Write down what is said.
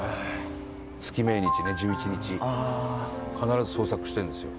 月命日ね、１１日必ず捜索してるんですよ。